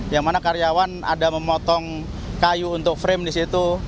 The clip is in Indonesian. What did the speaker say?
yang mana karyawan ada memotong kayu untuk frame di situ